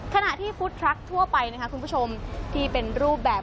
ขณะที่ฟู้ดทรัคทั่วไปที่เป็นรูปแบบ